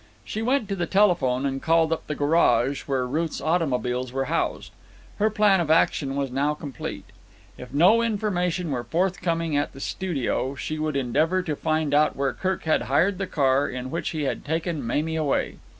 She went to the telephone and called up the garage where Ruth's automobiles were housed. Her plan of action was now complete. If no information were forthcoming at the studio, she would endeavour to find out where Kirk had hired the car in which he had taken Mamie away.